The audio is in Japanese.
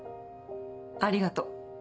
ありがとう。